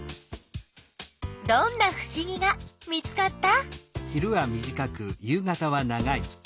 どんなふしぎが見つかった？